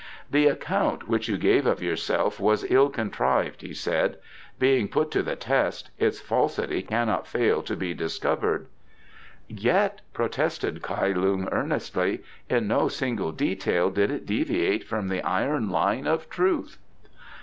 "The account which you gave of yourself was ill contrived," he said. "Being put to the test, its falsity cannot fail to be discovered." "Yet," protested Kai Lung earnestly, "in no single detail did it deviate from the iron line of truth."